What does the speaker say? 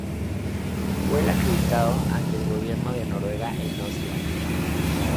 El fue acreditado ante el gobierno de Noruega en Oslo.